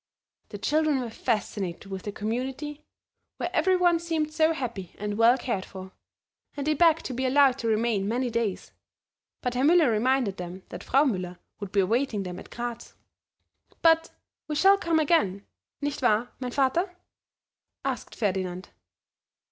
The children were fascinated with the Community, where every one seemed so happy and well cared for; and they begged to be allowed to remain many days, but Herr Müller reminded them that Frau Müller would be awaiting them at Gratz. "But we shall come again, nicht wahr, mein Vater?" asked Ferdinand.